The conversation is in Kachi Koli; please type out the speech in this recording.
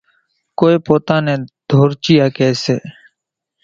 ڪونئين پوتا نين ڌورچيئا ڪيَ سي۔